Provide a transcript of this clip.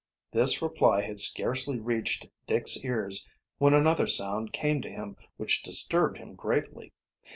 This reply had scarcely reached Dick's ears when another sound came to him which disturbed him greatly.